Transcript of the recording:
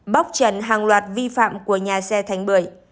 bóc trần hàng loạt vi phạm của nhà xe thành bưởi